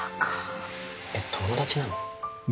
えっ友達なの？